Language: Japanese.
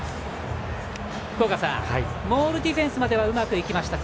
モールディフェンスまではうまくいきました。